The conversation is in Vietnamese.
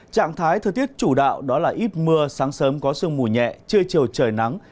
trạng thái thời tiết chủ đạo đó là ít mưa sáng sớm có sương mù nhẹ chưa chiều trời nắng